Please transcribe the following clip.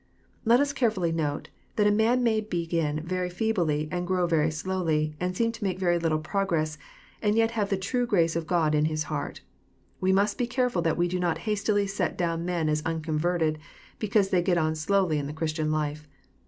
Let us carefblly note, that a man may begin very feebly and grow very slowly, and seem to make very little progress, and yet have the true grace of God ip his heart. We must be care ful that we do not hastily set down men as unconverted, be cause they get on slowly in the Christian life.